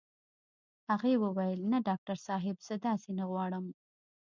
هغې وويل نه ډاکټر صاحب زه داسې نه غواړم.